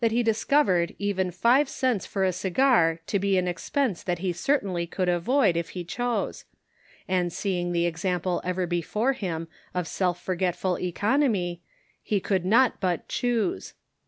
he discovered even five cents for a cigar to be an expense that he certainly could avoid if he chose ; and seeing the example ever before him of self forgetful economy he could not but choose.